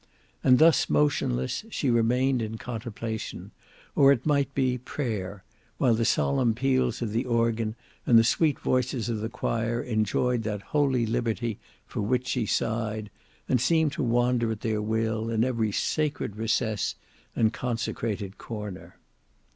And thus motionless she remained in contemplation, or it might be prayer, while the solemn peals of the organ and the sweet voices of the choir enjoyed that holy liberty for which she sighed, and seemed to wander at their will in every sacred recess and consecrated corner.